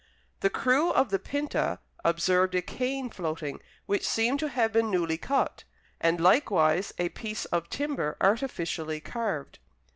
The crew of the Pinta observed a cane floating, which seemed to have been newly cut, and likewise a piece of timber artificially carved.